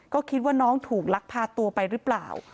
ก็คิดว่าน้องถูกลักพาตัวไปหรือเปล่า